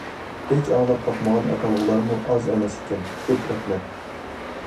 ھېچ ئاڭلاپ باقمىغان ئاتالغۇلارمۇ ئاز ئەمەس ئىكەن. كۆپ رەھمەت.